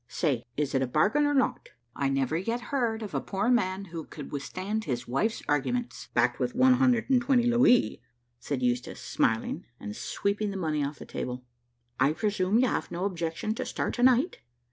Say, is it a bargain or not?" "I never yet heard of a poor man who could withstand his wife's arguments, backed with one hundred and twenty louis," said Eustache smiling, and sweeping the money off the table. "I presume you have no objection to start to night?